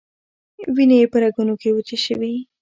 وینې یې په رګونو کې وچې شوې.